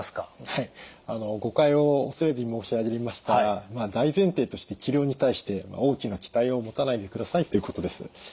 はい誤解を恐れずに申し上げましたら大前提として治療に対して大きな期待を持たないでくださいということです。